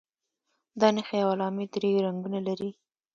دا نښې او علامې درې رنګونه لري.